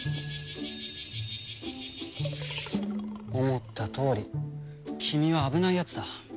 思ったとおり君は危ないやつだ。